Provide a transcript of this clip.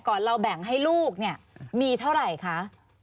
ก่อนเราแบ่งให้ลูกมีเท่าไรคะ